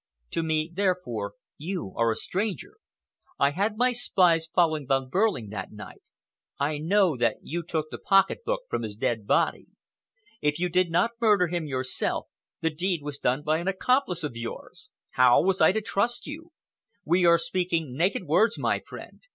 To me, therefore, you are a stranger. I had my spies following Von Behrling that night. I know that you took the pocket book from his dead body. If you did not murder him yourself, the deed was done by an accomplice of yours. How was I to trust you? We are speaking naked words, my friend.